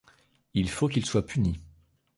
Il faut qu’il soit puni.